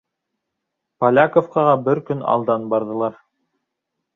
Поляковкаға бер көн алдан барҙылар.